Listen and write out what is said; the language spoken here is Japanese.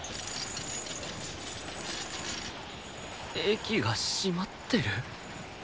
駅が閉まってる？